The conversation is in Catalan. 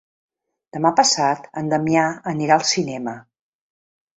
Demà passat en Damià anirà al cinema.